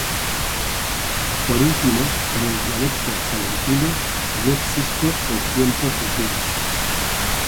Por último, en el dialecto salentino no existe el tiempo futuro.